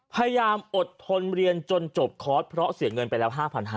พยายามอดทนเรียนจนจบคอร์สเพราะเสียเงินไปแล้ว๕๕๐๐